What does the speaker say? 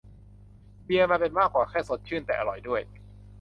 เบียร์มันเป็นมากกว่าแค่สดชื่นแต่อร่อยด้วย